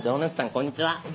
こんにちは。